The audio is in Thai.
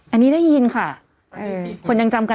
อันนี้ได้ยินค่ะ